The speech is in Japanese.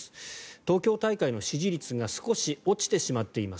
東京大会の支持率が少し落ちてしまっています。